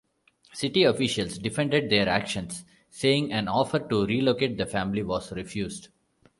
City officials defended their actions, saying an offer to relocate the family was refused.